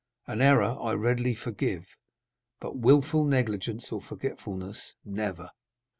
An error I readily forgive, but wilful negligence or forgetfulness, never.